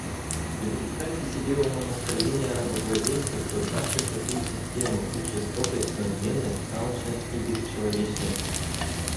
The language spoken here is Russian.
И представьте себе умонастроения рабовладельцев, создавших такую систему: их жестокость, надменность, алчность и бесчеловечность.